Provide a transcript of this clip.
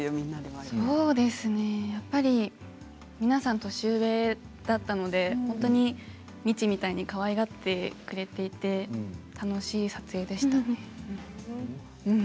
皆さん年上だったので本当に未知みたいにかわいがってくれていて楽しい撮影でしたね。